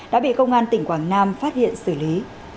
đã bị công an tỉnh quảng nam phát hiện xử lý